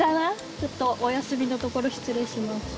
ちょっとお休みのところ失礼します。